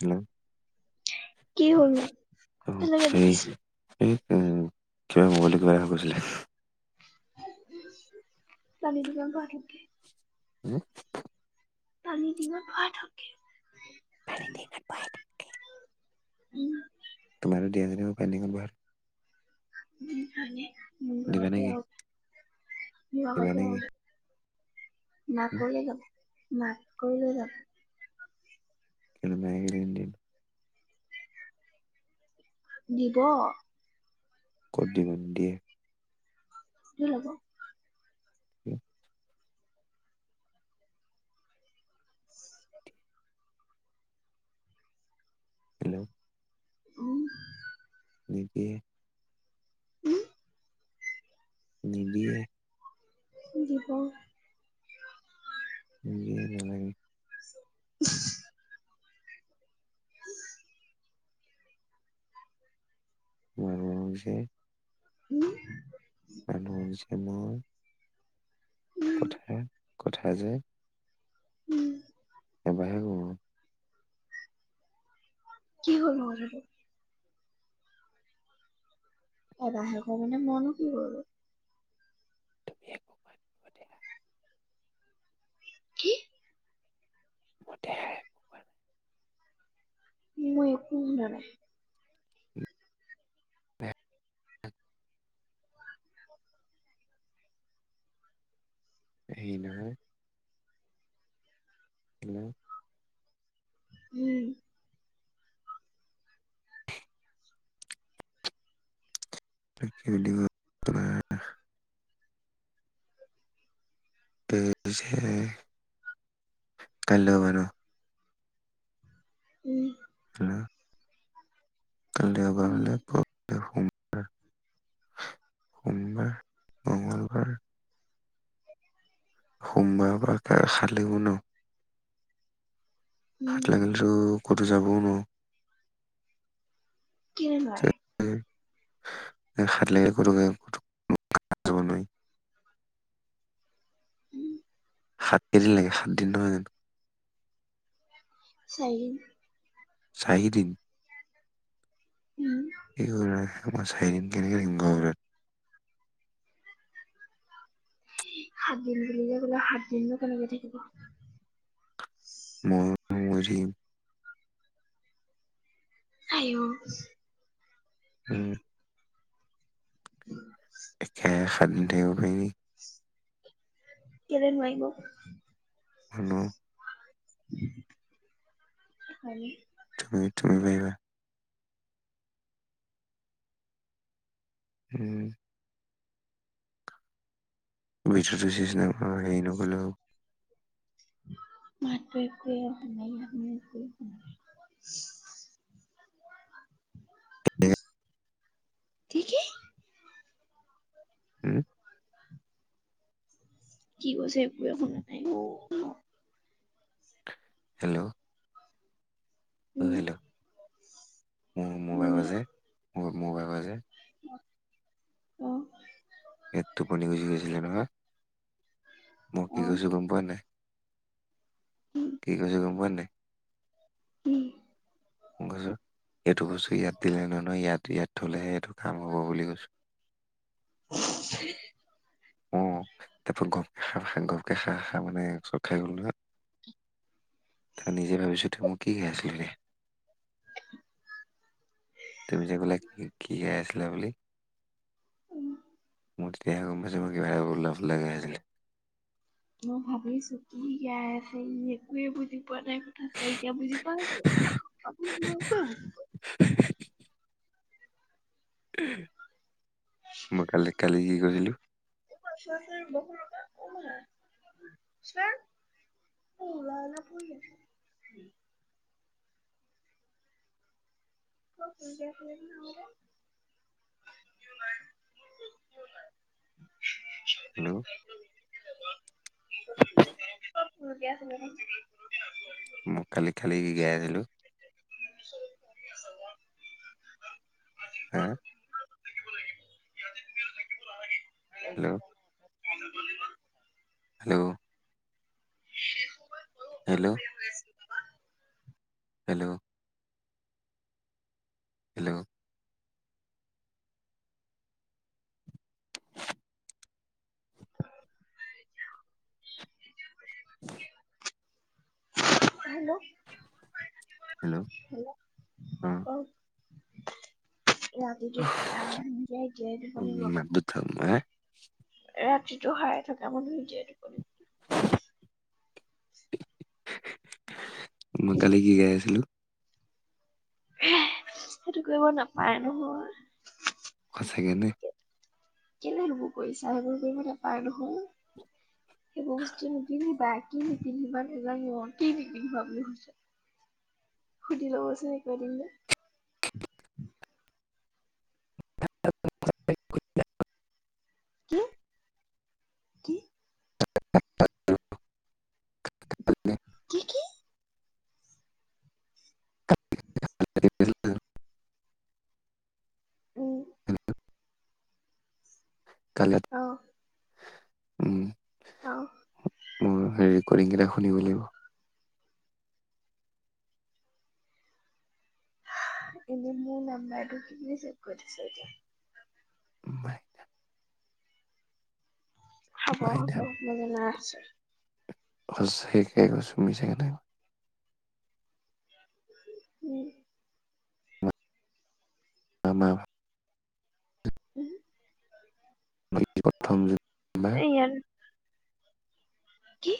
[unintelligible] উম, কি হ'লনো তেনেকে দেখিছিলো কিবা মবাইলটো কিবা এটা হৈ গৈছিলে। পানী [unintelligible] উম। [unintelligible] [unintelligible] উম [unintelligible] উম হয়ে [unintelligible] নকলে [unintelligible] মাক কৈ লৈ যাম। [unintelligible] দিব ক'ত দিব নিদিয়ে। কিয় হ'ব? উম। হেল্ল' উম। নিদিয়ে। উম নিদিয়ে। দিব। নিদিয়ে নালাগে। [unintelligible] উম। [unintelligible] উম, কথা কথা যে উম। এবাৰ [unintelligible] কি হ'ল নো কথাটো এটাহে [unintelligible] কি হ'ল তুমি একো কোৱা নাই হ'ব দিয়া। কি? [unintelligible] মই একো শুনা নাই? [unintelligible] হেয়ি নহয় [unintelligible] উম। [unintelligible] [unintelligible] উম। উম, [unintelligible] সোমবাৰ, সোমবাৰ মংগলবাৰ। সোমবাৰ পৰা খালেও ন উম [unintelligible] যাব নোৱাৰো কিনো হয় এ সাত লাগিলে কতো উলাই যাব নোৱাৰি উম সাত কেইদিন লাগে সাতদিন নহয় জানো চাৰিদিন চাৰিদিন উম এয়ো নাই মই চাৰিদিন কেনেকৈ থাকিম ঘৰখনত সাত দিন বুলিলে বোলে সাত দিনটো কেনেকে থাকিব মই মৰি থাকিম আহঔ [unintelligible] উম একেৰাহে সাত দিন থাকিব পাৰি নেকি কেলেই নোৱাৰিনো নোৱাৰো হয় তুমি তুমি পাৰিবা উম বুজি চুজি নোপোৱা হেৰি নকৰিলে হল মইতো একোৱেই কৰিব নোৱাৰিম কি কি উম কি কৈছে একোৱেই শুনা নাই অঁ হেল্ল' অ' উম হেল্ল' উম ম'বাইলত যে মো মোবাইলত যে অ' এ টুপনি গুচি গৈছিলে নহয় মই কি অ কৈছো গম পোৱা নাই উম কি কৈছো গম পোৱা নাই উম মই কৈছো এইটো বস্তু ইয়াত দিলে নহয় নহয় ইয়াত ইয়াত থ'লেহে এইটো কাম হ'ব বুলি কৈছোঁ অঁ তাৰাপা ক ঘৰকে খা খাহ মানে চক খাই গ'লো নহয় তই নিজে ভাবিছো ত মোক কি খাই আছিল তুমি যে কলো কি কি খাই আছিলা বুলি উম মোৰ তেতিয়াহে গম পাইছো মোৰ কিবা উল্টা পুল্টা গাই আছিলো মই ভাবিছো কি গাই আছে ই একোৱে বুজি পোৱা নাই কথাছে এতিয়া বুজি পাই আছো আপু ক [unintelligible] মই কালি কালি কি কয়ছিলো? [unintelligible] [unintelligible] হেল্ল' [inaudible] [unintelligible] মই খালি খালি গাই আছিলো। [inaudible] হা। Hello [inaudible] [inaudible] hello! [inaudible] Hello! Hello! Hello! [unintelligible] Hello hello ক ৰাতিটো থকা অ নিজেই জীয়াই অ দিব লাগিব। মাতটো থাম [inaudible] ৰাতিতো হাৰাই থকা মানুহ নিজে [unintelligible] [inaudible] মই কালি কি গাই আছিলো? সেইটো কৰিব নাপায় নহয়। সচাকে নে। কেলে সেইবোৰ কৰিছা সেইবোৰ কৰিবে নপাই নহয়। সেই বস্তু নি বা কি মিটিং সমান এজন ন [unintelligible] হৈছে। সুদি লব চোন [unintelligible] কি কি? [inaudible] কি কি? উম। অ [unintelligible] উম। অ'। ওম ৰেকৰ্ডিং কেইটা শুনিব লাগিব। এনে মোৰ নাম্বাইটো কি বোলি চেভ কৰি ঠয়চ এতিয়া? মায়না। হ'ব ভাই হ'ব মই জনা ছে সচাকে কৈছো মিছাকে নাই কোৱা উম আমা উম প্ৰথম নাম্বাৰ এইয়াৰ কি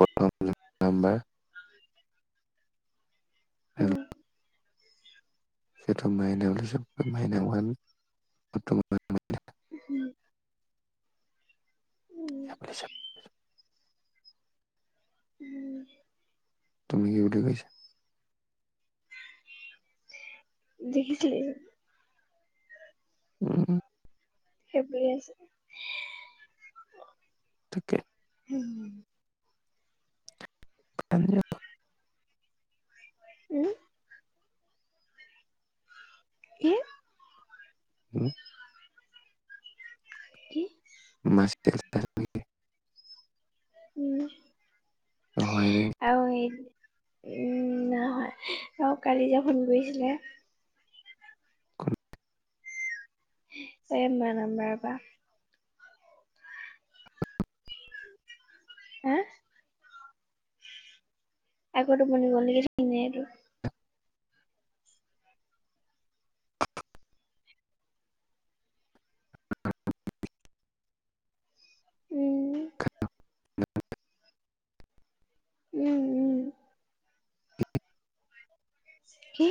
প্ৰথম নাম্বাৰ উম [unintelligible] সেটো মাইনা বুলি চেভ কৰিছো মাইনা ওৱান বৰ্তমান উম উম বেয়া পাইছা উম তুমি কি বুলি কৰিছা দেখিছিলি উম সেইটোৱেই আছে তাকে উম হেল্ল' উম কি উম কি [unintelligible] উম হয় নে আৰু এই উম নাই অহা অ কালি যে ফোন কৰিছিলে মাৰ নাম্বাৰৰ পৰা হাঁ আকৌ টুপনি গল নেকি ঠিক নাই এইটো উম উম উম কি